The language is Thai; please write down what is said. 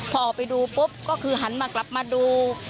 พอออกไปดูปุ๊บก็คือหันมากลับมาดู